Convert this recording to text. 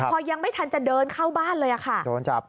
พอยังไม่ทันจะเดินเข้าบ้านเลยค่ะโดนจับ